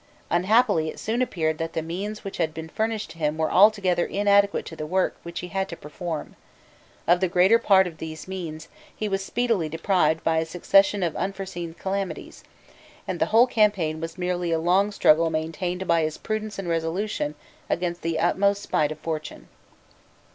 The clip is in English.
Unhappily it soon appeared that the means which had been furnished to him were altogether inadequate to the work which he had to perform: of the greater part of these means he was speedily deprived by a succession of unforeseen calamities; and the whole campaign was merely a long struggle maintained by his prudence and resolution against the utmost spite of fortune.